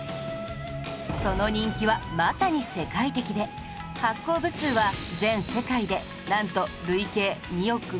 その人気はまさに世界的で発行部数は全世界でなんと累計２億５０００万部超え